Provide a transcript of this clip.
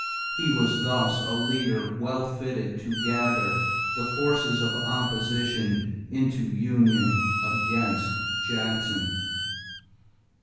He was thus a leader well fitted to gather the forces of opposition into union against Jackson.